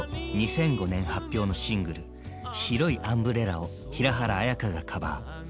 ２００５年発表のシングル「白いアンブレラ」を平原綾香がカバー。